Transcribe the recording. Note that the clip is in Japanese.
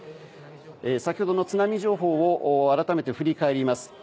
先ほどの津波情報を改めて振り返ります。